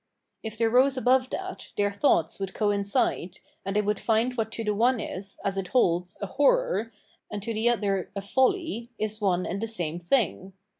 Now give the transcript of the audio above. If they rose above that, their thoughts would coincide, and they would find what to the one is, as it holds, a horror, and to the other a folly, is one and the same thing.